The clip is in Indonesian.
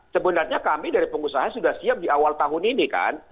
sebenarnya kami dari pengusaha sudah siap di awal tahun ini kan